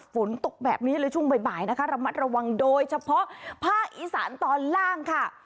ฝนตกแบบนี้เลยช่วงบ่ายนะคะระมัดระวังโดยเฉพาะภาคอีสานตอนล่างค่ะ